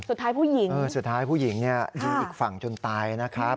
สุดท้ายผู้หญิงสุดท้ายผู้หญิงอยู่อีกฝั่งจนตาย